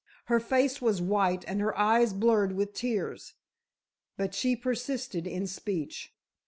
Her face was white and her eyes blurred with tears. But she persisted in speech.